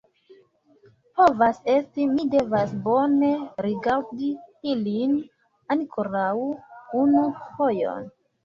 Povas esti; mi devas bone rigardi ilin ankoraŭ unu fojon.